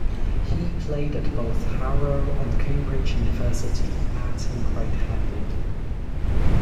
He played at both Harrow and Cambridge University, batting right-handed.